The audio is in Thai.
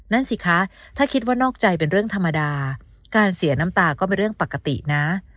นั่นสิคะถ้าคิดว่านอกใจเป็นเรื่องธรรมดาการเสียน้ำตาก็เป็นเรื่องปกตินะ